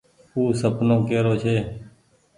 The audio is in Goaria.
او سپنو ڪي رو ڇي۔